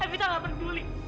evita gak peduli